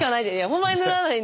ホンマに塗らないんで。